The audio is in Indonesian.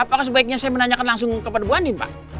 apakah sebaiknya saya menanyakan langsung kepada bu anim pak